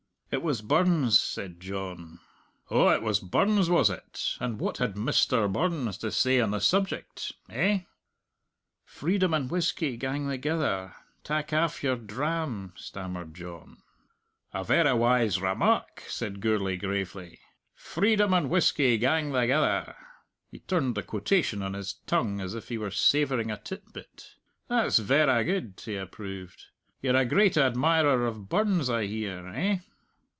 "It was Burns," said John. "Oh, it was Burns, was it? And what had Mr. Burns to say on the subject? Eh?" "'Freedom and whisky gang thegither: tak aff your dram,'" stammered John. "A verra wise remark," said Gourlay gravely. "'Freedom and whisky gang thegither;'" he turned the quotation on his tongue, as if he were savouring a tit bit. "That's verra good," he approved. "You're a great admirer of Burns, I hear. Eh?"